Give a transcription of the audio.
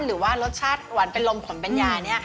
หรือว่ารสชาติหวานเป็นลมขมเป็นยา